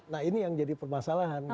nah ini yang jadi permasalahan